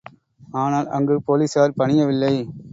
ஆனால் அங்கு போலிஸார் பணியவில்லை.